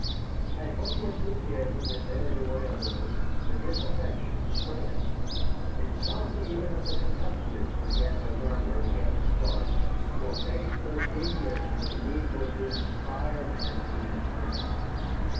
And when the enthusiasm had burned away a little the disaffection spread, and some even of the Kentuckians began to murmur against Clark, for faith or genius was needful to inspire men to his plan.